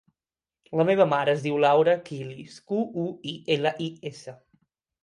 La meva mare es diu Laura Quilis: cu, u, i, ela, i, essa.